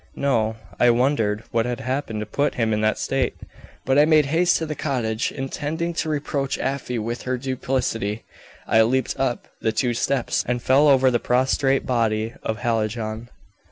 "No. I wondered what had happened to put him in that state; but I made haste to the cottage, intending to reproach Afy with her duplicity. I leaped up the two steps, and fell over the prostrate body of Hallijohn.